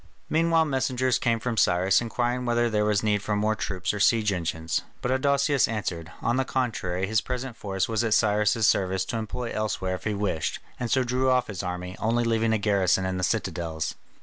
Meanwhile messengers came from Cyrus inquiring whether there was need for more troops or siege engines, but Adousius answered, on the contrary his present force was at Cyrus' service to employ elsewhere if he wished, and so drew off his army, only leaving a garrison in the citadels.